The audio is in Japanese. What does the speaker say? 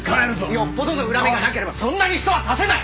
よっぽどの恨みがなければそんなに人は刺せない！